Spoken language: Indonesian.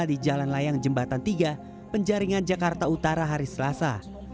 di jalan layang jembatan tiga penjaringan jakarta utara hari selasa